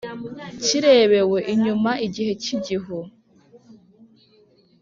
kirebewe inyuma igihe cy'igihu